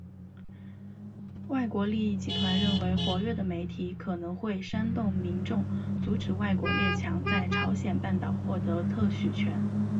外国利益集团认为活跃的媒体可能会煽动民众阻止外国列强在朝鲜半岛获得特许权。